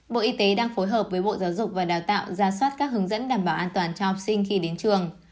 bộ y tế đang phối hợp với bộ giáo dục và đào tạo ra soát các hướng dẫn đảm bảo an toàn cho học sinh khi đến trường